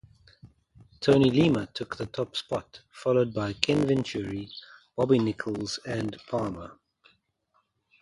Tony Lema took the top spot, followed by Ken Venturi, Bobby Nichols, and Palmer.